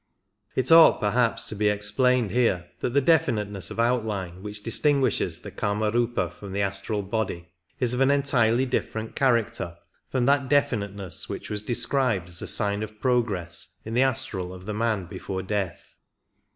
It ought perhaps to be explained here that the definite ness of outline which distinguishes the Kamariipa from the astral body is of an entirely different character from that definiteness which was described as a sign of progress in the astral of the man before death.